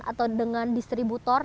atau dengan distributor